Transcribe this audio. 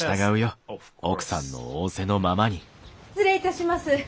失礼いたします。